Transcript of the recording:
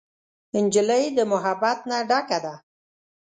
نجلۍ د محبت نه ډکه ده.